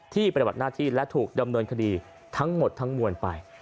ปฏิบัติหน้าที่และถูกดำเนินคดีทั้งหมดทั้งมวลไป